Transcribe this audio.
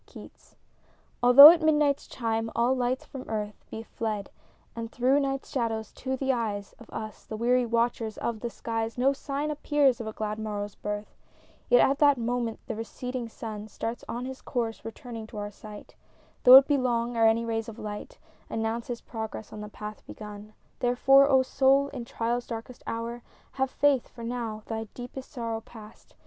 ''''— Keats ALTHOUGH at midnight's chime all light from earth Be fled, and through night's shadows to the eyes Of us, the weary watchers of the skies, No sign appears of a glad morrow's birth; Yet at that moment the receding sun Starts on his course returning to our sight, — Though it be long ere any rays of light Announce his progress on the path begun. Therefore, O Soul, in trial's darkest hour Have faith; — for now, thy deepest sorrow past.